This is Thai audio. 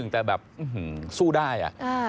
แต่สู้ได้